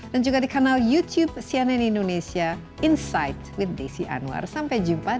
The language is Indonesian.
dan juga di channel youtube saya juga